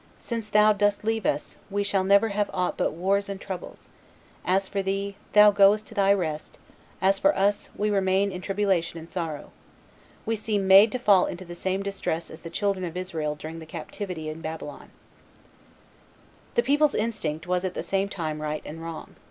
Since thou dost leave us, we shall never have aught but wars and troubles. As for thee, thou goest to thy rest; as for us, we remain in tribulation and sorrow. We seem made to fall into the same distress as the children of Israel during the captivity in Babylon." [Illustration: The Body of Charles VI. lying in State 84] The people's instinct was at the same time right and wrong.